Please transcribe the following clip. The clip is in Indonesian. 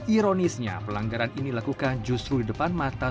ironisnya pelanggaran ini dilakukan justru di depan mata